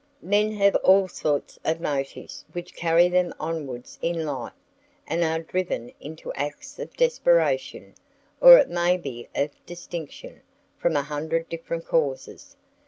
Men have all sorts of motives which carry them onwards in life, and are driven into acts of desperation, or it may be of distinction, from a hundred different causes.